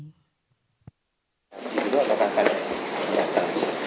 ya kita mengikuti proses yang ada saja